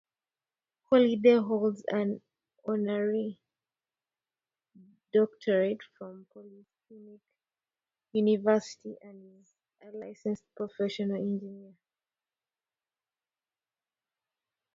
Holliday holds an honorary doctorate from Polytechnic University, and is a licensed professional engineer.